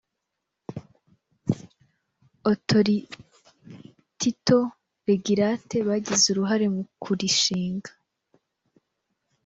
authorityto regulate bagize uruhare mu kurishinga